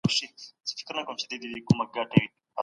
هیوادونه د نوي نسل د روزنې لپاره ګډ پروګرامونه لري.